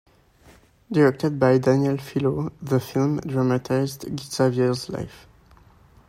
Directed by Daniel Filho, the film dramatized Xavier's life.